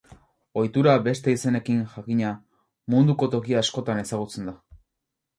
Ohitura, beste izenekin, jakina, munduko toki askotan ezagutzen da.